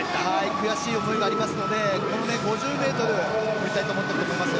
悔しい思いもありますのでこの５０ｍは取りたいと思っていると思います。